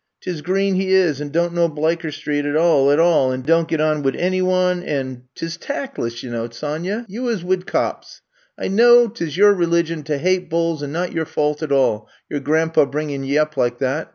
'Tis green he is and don't know Bliker Street, at all, at all, and don 't git on wid enyone, and 't is I'VE COMB TO STAY 31 tac^ess, you know, Sonya, ye is wid cops! I know 't is yer religion to hate bulls and not yer fault at all, yer gran 'pa bringin ' ye up like that.